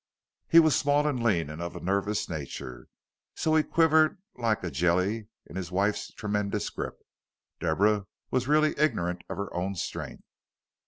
He was small and lean and of a nervous nature, so he quivered like a jelly in his wife's tremendous grip. Deborah was really ignorant of her own strength.